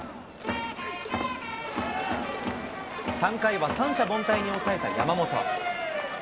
３回は三者凡退に抑えた山本。